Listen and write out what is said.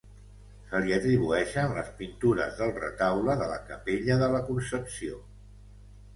Se li atribueixen les pintures del retaule de la capella de la Concepció.